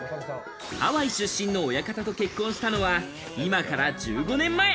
ハワイ出身の親方と結婚したのは今から１５年前。